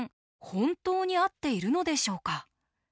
本当に合っているのでしょうか？